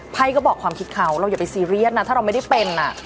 ไพ่ก็บอกความคิดเขาเราอย่าไปซีเรียสนะถ้าเราไม่ได้เป็น